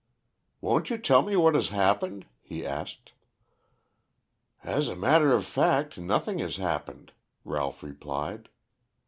"Won't you tell me what has happened?" he asked. "As a matter of fact, nothing has happened," Ralph replied.